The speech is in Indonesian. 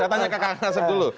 saya tanya kak asep dulu